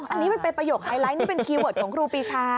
อันนี้มันเป็นประโยคไฮไลท์นี่เป็นคีย์เวิร์ดของครูปีชา